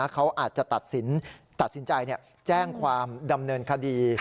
เขาอาจจะตัดสินใจแจ้งความดำเนินคดี